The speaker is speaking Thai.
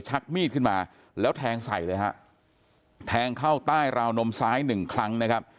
ชักมีดขึ้นมาแล้วแทงใส่เลยฮะแทงเข้าใต้ราวนมซ้ายหนึ่งครั้งนะครับ